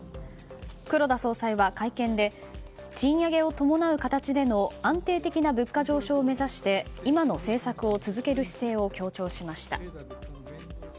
黒田総裁は会見で賃上げを伴う形での安定的な物価上昇を目指して今の政策を続ける姿勢を強調しました。